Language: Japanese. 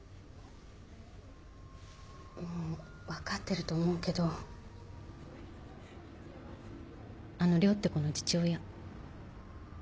もう分かってると思うけどあの涼って子の父親。